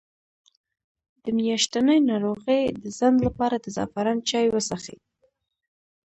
د میاشتنۍ ناروغۍ د ځنډ لپاره د زعفران چای وڅښئ